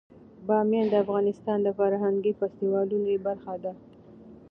بامیان د افغانستان د فرهنګي فستیوالونو برخه ده.